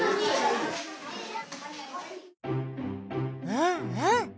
うんうん！